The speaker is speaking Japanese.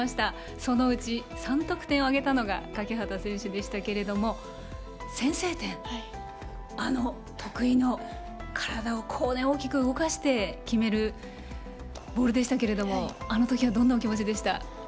そのうち３得点を挙げたのが欠端選手でしたけども先制点得意の体を大きく動かして決めるボールでしたがあのときはどんなお気持ちでしたか。